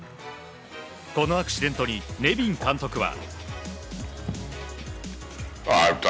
このアクシデントにネビン監督は。